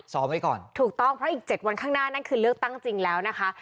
ไว้ก่อนถูกต้องเพราะอีก๗วันข้างหน้านั่นคือเลือกตั้งจริงแล้วนะคะ